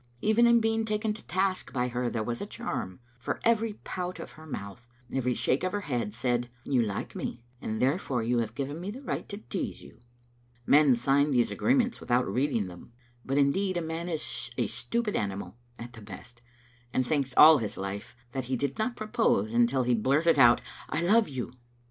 Even in being taken to task by her there was a charm, for every pout of her mouth, every shake of her head, said, " You like me, and therefore you have given me the right to tease you." Men sign these agreements without reading them. But, indeed, man is a stupid animal at the best, and thinks all his life that he did not propose until he blurted out, " I love you."